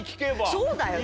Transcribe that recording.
そうだよね。